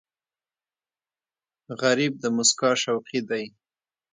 غریب د موسکا شوقي دی